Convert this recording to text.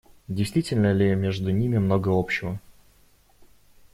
Действительно ли между ними много общего?